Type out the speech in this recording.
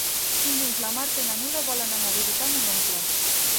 Dilluns na Marta i na Nura volen anar a visitar mon oncle.